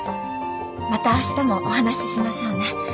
また明日もお話ししましょうね。